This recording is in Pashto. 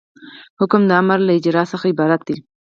حکم د امر له اجرا څخه عبارت دی.